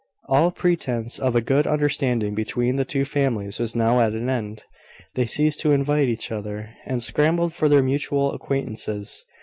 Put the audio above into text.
All pretence of a good understanding between the two families was now at an end. They ceased to invite each other, and scrambled for their mutual acquaintances.